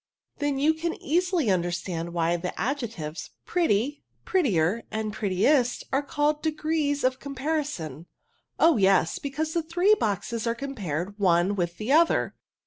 " Then you can easily understand why the adjectives pretty, prettier , and prettiest, are called degrees of comparison." Oh yes, because the three boxes are compafed one with the other.